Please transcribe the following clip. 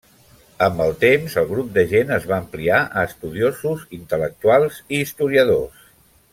Amb el temps el grup de gent es va ampliar a estudiosos, intel·lectuals i historiadors.